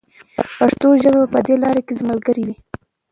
پښتو ژبه به په دې لاره کې زموږ ملګرې وي.